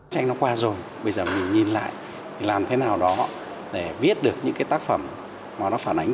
tranh nó qua rồi bây giờ mình nhìn lại làm thế nào đó để viết được những cái tác phẩm mà nó phản ánh